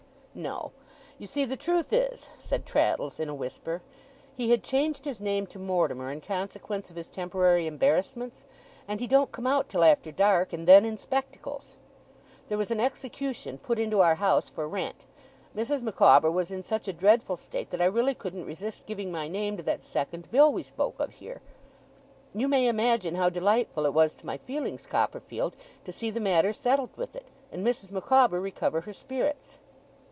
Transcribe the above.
'No. You see the truth is,' said Traddles, in a whisper, 'he had changed his name to Mortimer, in consequence of his temporary embarrassments; and he don't come out till after dark and then in spectacles. There was an execution put into our house, for rent. Mrs. Micawber was in such a dreadful state that I really couldn't resist giving my name to that second bill we spoke of here. You may imagine how delightful it was to my feelings, Copperfield, to see the matter settled with it, and Mrs. Micawber recover her spirits.